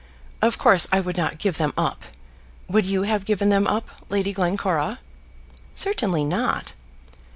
Of course, I would not give them up. Would you have given them up, Lady Glencora?" "Certainly not."